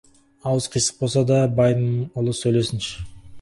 Аузы қисық болса да, байдың ұлы сөйлесін.